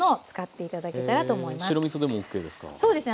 白みそでもＯＫですか？